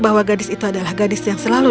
bahwa gadis itu adalah gadis yang selalu